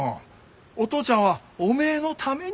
お父ちゃんはおめえのために。